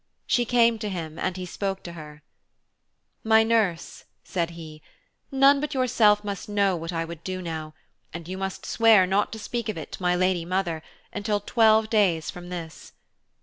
She came to him, and he spoke to her: 'My nurse,' said he, 'none but yourself must know what I would do now, and you must swear not to speak of it to my lady mother until twelve days from this.